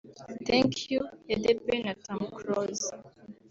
Thank You ya The Ben na Tom Close